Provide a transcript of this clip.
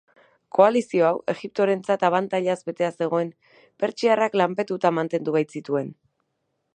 Koalizio hau, Egiptorentzat abantailaz betea zegoen, pertsiarrak lanpetuta mantendu baitzituen.